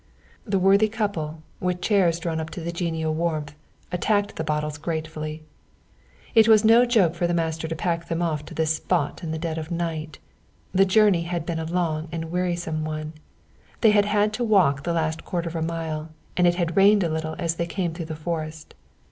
The worthy couple, with chairs drawn up to the genial warmth, attacked the bottles gratefully. It was no joke for the master to pack them off to this spot in the dead of night. The journey had been a long and wearisome one, they had had to walk the last quarter of a mile, and it had rained a little as they came through the forest.